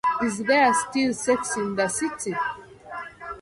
Is There Still Sex in the City?